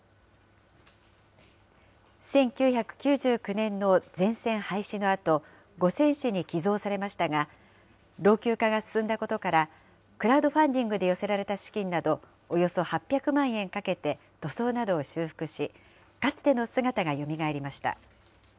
１９９９年の全線廃止のあと、五泉市に寄贈されましたが、老朽化が進んだことから、クラウドファンディングで寄せられた資金など、およそ８００万円かけて塗装などを修復し、かつての姿がよみがえりました。